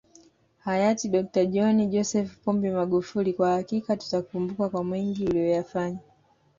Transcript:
Hayati DkJohn Joseph Pombe Magufuli kwa hakika tutakukumbuka kwa mengi uliyoyafanya